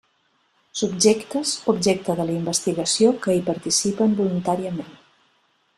Subjectes objecte de la investigació que hi participen voluntàriament.